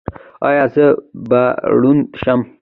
ایا زه به ړوند شم؟